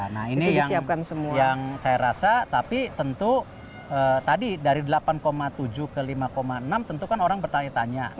nah ini yang saya rasa tapi tentu tadi dari delapan tujuh ke lima enam tentu kan orang bertanya tanya